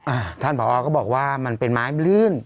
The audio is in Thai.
อ่าท่านผอก็บอกว่ามันเป็นไม้ลื่น